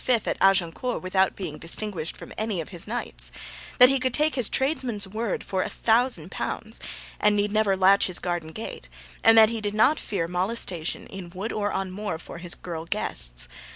at Agincourt without being distinguished from any of his knights; that he could take his tradesmen's word for a thousand pounds, and need never latch his garden gate; and that he did not fear molestation, in wood or on moor, for his girl guests.